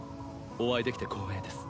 お会いできて光栄です。